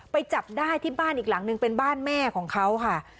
ไปจับได้ที่บ้านอีกหลังนึงเป็นบ้านแม่ของเขาค่ะ